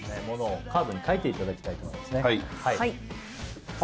ものをカードに書いていただきたいと思いますね